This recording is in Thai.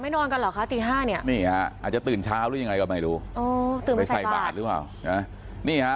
อาจจะตื่นเช้าหรือยังไงก็ไม่รู้ไปใส่บาดหรือเปล่า